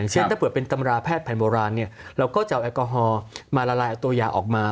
เช่นถ้าเปิดเป็นตำราแพทย์แผ่นโบราณเราก็จะเอาแอลกอฮอล์มาละลายตัวยาออกมา